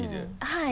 はい。